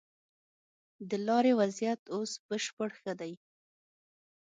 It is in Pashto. د لارې وضيعت اوس بشپړ ښه دی.